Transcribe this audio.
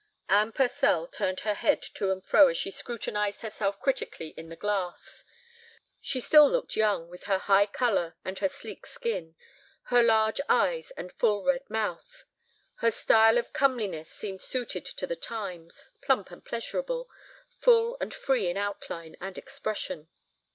Anne Purcell turned her head to and fro as she scrutinized herself critically in the glass. She still looked young, with her high color and her sleek skin, her large eyes and full red mouth. Her style of comeliness seemed suited to the times, plump and pleasurable, full and free in outline and expression.